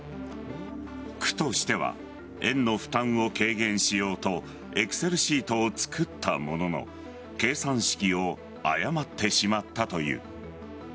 区としては園の負担を軽減しようとエクセルシートを作ったものの計算式を誤ってしまったという。